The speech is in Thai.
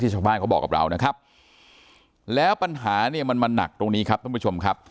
ชาวบ้านเขาบอกกับเรานะครับแล้วปัญหาเนี่ยมันมาหนักตรงนี้ครับท่านผู้ชมครับ